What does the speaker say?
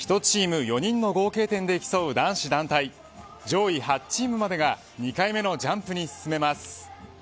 １チーム４人の合計点で競う男子団体上位８チームまでが２回目のジャンプに進めます。